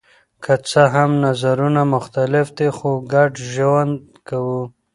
که څه هم نظرونه مختلف دي خو ګډ ژوند کوو.